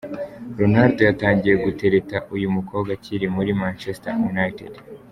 Ronaldo yatangiye gutereta uyu mukobwa akiri muri Manchester United.